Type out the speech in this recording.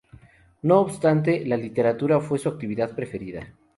No obstante, la literatura fue su actividad preferida.